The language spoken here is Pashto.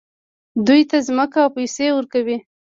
دوی ته ځمکه او پیسې ورکوي.